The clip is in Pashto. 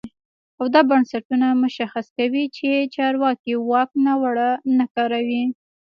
او دا بنسټونه مشخص کوي چې چارواکي واک ناوړه نه کاروي.